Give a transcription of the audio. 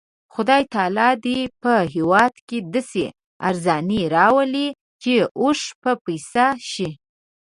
خدای تعالی دې په هېواد کې داسې ارزاني راولي چې اوښ په پیسه شي.